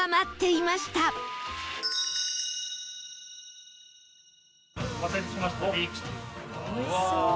おいしそう。